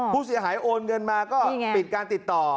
ผู้เสียหายโอนเงินมาก็ปิดการติดต่อ